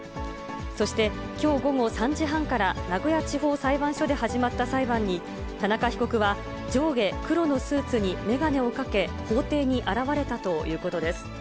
そして、きょう午後３時半から名古屋地方裁判所で始まった裁判に、田中被告は、上下黒のスーツに眼鏡をかけ、法廷に現れたということです。